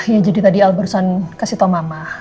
ya jadi tadi al barusan kasih tahu mama